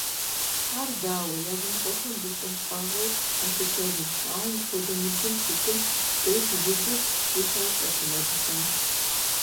Ар, дауэ, языныкъуэхэм гущӀэгъуншагъэу къалъытэнущ, ауэ мыпхуэдэ ныбжьым щитым деж узыр зыхащӀэркъым абыхэм.